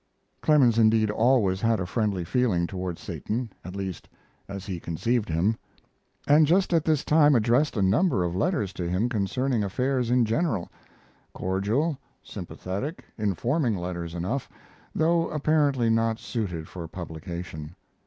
Clemens indeed always had a friendly feeling toward Satan (at least, as he conceived him), and just at this time addressed a number of letters to him concerning affairs in general cordial, sympathetic, informing letters enough, though apparently not suited for publication.